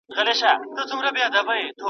ماښام ګاوبند نه هاخوا